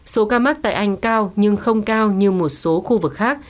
số ca mắc tại anh cao nhưng không cao như một số khu vực khác